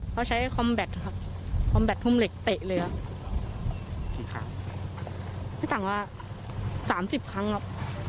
เขาใช้คอมแบตครับคอมแบตทุ่มเหล็กเตะเลยครับกี่ครั้งพี่ต่างว่าสามสิบครั้งครับ